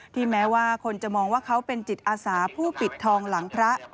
แม้ว่าคนจะมองว่าเขาเป็นจิตอาสาผู้ปิดทองหลังพระ